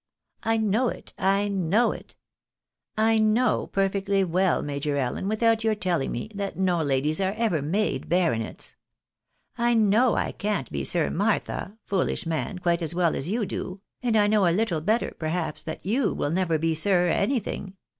I know it, I know it. I know perfectly weU, Major Allen, without your telling J 2 148 THE BARNABYS IN AMERICA. me, that no ladies ever are made baronets. I know I can't be Sir Martha, fooHsh man, quite as well as you do, and I know a little better, perhaps, that you will never be Sir anything.